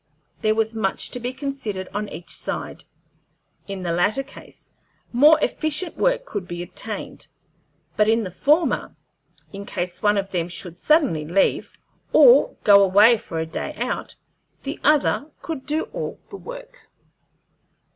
There was much to be considered on each side. In the latter case more efficient work could be obtained; but in the former, in case one of them should suddenly leave, or go away for a day out, the other could do all the work.